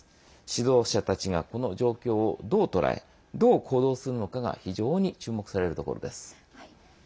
指導者たちがこの状況をどう捉えどう行動するのかが非常に注目されるところです。